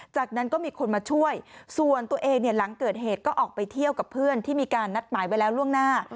จากนั้นก็มีคนมาช่วยส่วนตัวเองเนี่ยหลังเกิดเหตุก็ออกไปเที่ยวกับเพื่อนที่มีการนัดหมายไว้แล้วล่วงหน้า